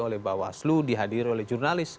oleh bawaslu dihadiri oleh jurnalis